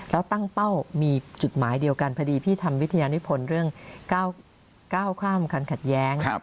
แล้วตั้งเป้ามีจุดหมายเดียวกันพอดีพี่ทำวิทยานิพลเรื่องก้าวข้ามคันขัดแย้ง